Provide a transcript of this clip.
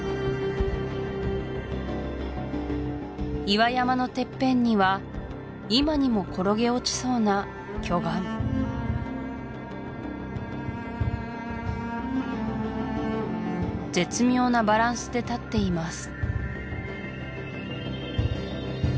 岩山のてっぺんには今にも転げ落ちそうな巨岩絶妙なバランスで立っています